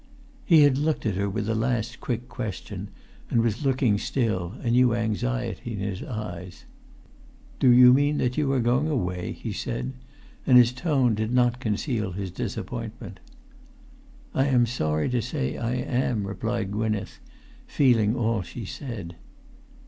He had looked at her with the last quick question, and was looking still, a new anxiety in his eyes. [Pg 271]"Do you mean that you are going away?" he said; and his tone did not conceal his disappointment. "I am sorry to say I am," replied Gwynneth, feeling all she said.